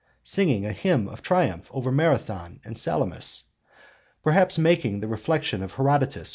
singing a hymn of triumph over Marathon and Salamis, perhaps making the reflection of Herodotus (v.